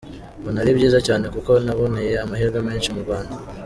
Mbona ari byiza cyane kuko naboneye amahirwe menshi mu Rwanda.